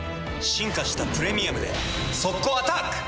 進化した「プレミアム」で速攻アタック！